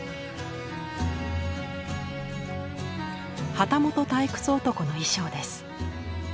「旗本退屈男」の衣装です。